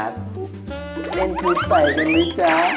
เรามาเล่นทูปใส่กันด้วยจ๊ะ